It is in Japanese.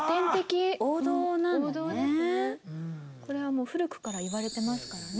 これはもう古くから言われてますからね